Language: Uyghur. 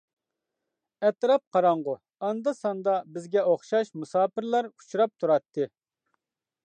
ئەتراپ قاراڭغۇ، ئاندا-ساندا بىزگە ئوخشاش مۇساپىرلار ئۇچراپ تۇراتتى.